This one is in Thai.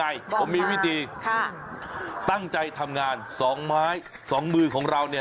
บางทางค่ะมีวิธีตั้งใจทำงาน๒ไม้๒มือของเรา